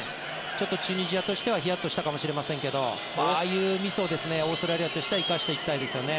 ちょっとチュニジアとしてはひやっとしたかもしれませんがああいうミスをオーストラリアとしては生かしていきたいですよね。